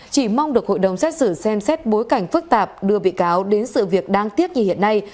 chỉ mong được hội đồng xét xử xem xét bối cảnh phức tạp đưa bị cáo đến sự việc đáng tiếc như hiện nay